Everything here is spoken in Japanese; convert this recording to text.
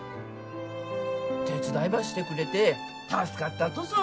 手伝いばしてくれて助かったとぞ。